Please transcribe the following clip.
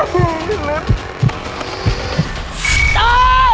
สนิมนั้น